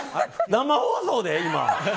生放送で？